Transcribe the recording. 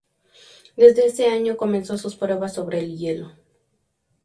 Desde ese año comenzó sus pruebas sobre el hielo.